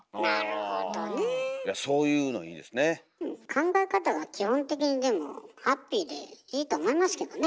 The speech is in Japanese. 考え方が基本的にでもハッピーでいいと思いますけどね。